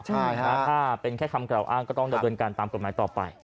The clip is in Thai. ถ้าเป็นแค่คำกล่าวอ้างก็ต้องดำเนินการตามกฎหมายต่อไป